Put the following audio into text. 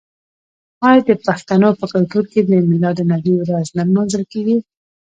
آیا د پښتنو په کلتور کې د میلاد النبي ورځ نه لمانځل کیږي؟